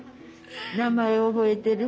名前覚えてる？